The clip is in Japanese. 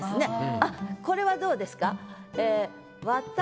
あっこれはどうですか？